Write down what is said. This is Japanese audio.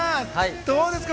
どうですか？